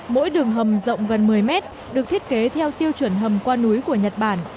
mỗi đường hầm rộng gần một mươi mét được thiết kế theo tiêu chuẩn hầm qua núi của nhật bản